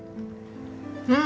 うん！